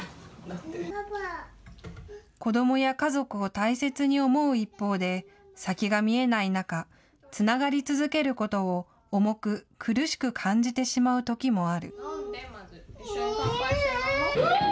子どもや家族を大切に思う一方で先が見えない中、つながり続けることを重く苦しく感じてしまうときもある。